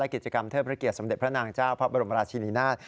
กิจกรรมเทิดพระเกียรสมเด็จพระนางเจ้าพระบรมราชินินาศ